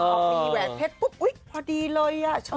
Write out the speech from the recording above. พี่แหวนเพชรปุ๊บพอดีเลย